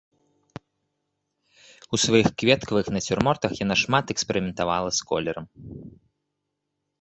У сваіх кветкавых нацюрмортах яна шмат эксперыментавала з колерам.